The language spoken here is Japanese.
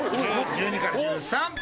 １２から１３！